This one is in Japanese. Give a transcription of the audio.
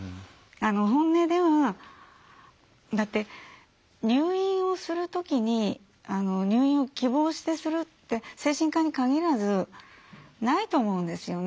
本音ではだって入院をするときに入院を希望してするって精神科に限らずないと思うんですよね。